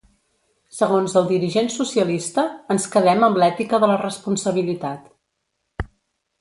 Segons el dirigent socialista ‘ens quedem amb l’ètica de la responsabilitat’.